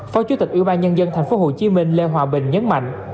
phó chủ tịch ủy ban nhân dân tp hcm lê hòa bình nhấn mạnh